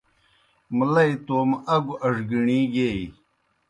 مُلئی توموْ اگوْ اڙگِݨِی گیئی۔